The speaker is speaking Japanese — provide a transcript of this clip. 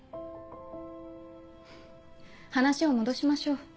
話を戻しましょう。